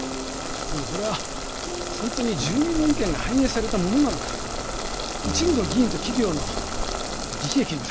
でもそれは本当に住民の意見が反映されたものなのか一部の議員と企業の利益のためになってないか。